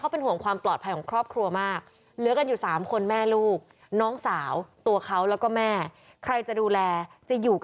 เป็นท่ำด้วย